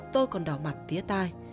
tôi còn đỏ mặt tía tai